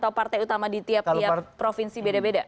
kalau partai utama di tiap tiap provinsi berapa